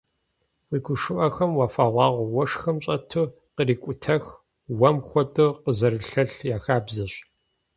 Уи гушыӀэхэм уафэгъуагъуэ уэшхым щӀэту кърикӀутэх уэм хуэдэу къызэрылъэлъ я хабзэщ.